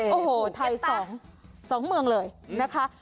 โอ้โหไทย๒เมืองเลยนะคะ